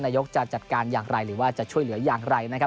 จะจัดการอย่างไรหรือว่าจะช่วยเหลืออย่างไรนะครับ